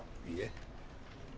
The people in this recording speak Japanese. いいえ。